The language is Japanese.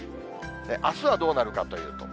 あすはどうなるかというと。